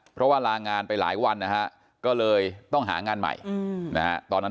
เพราะว่าลางานไปหลายวันนะฮะก็เลยต้องหางานใหม่นะฮะตอนนั้น